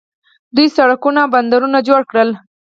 دوی سړکونه او بندرونه جوړ کړل.